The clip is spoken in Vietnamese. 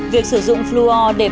việc sử dụng fluor đẹp hơn